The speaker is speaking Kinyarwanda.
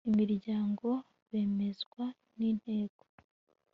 imiryango bemezwa n inteko